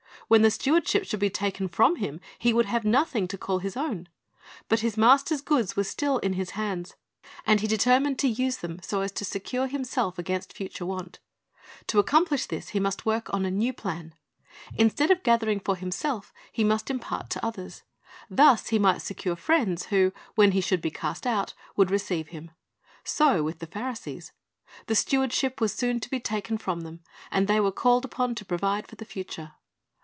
When the stevvardship should be taken from him, he would have nothing to call his own. But his master's goods were still in his hands, and he determined 24 ^yO Christ's Object Lessons to use them so as to secure himself against future want. To accomphsh this he must work on a new plan. Instead of gathering for himself, he must impart to others. Thus he might secure friends, who, when he should be cast out, would receive him. So with the Pharisees. The steward ship was soon to be taken from them, and they were called upon to provide for the future.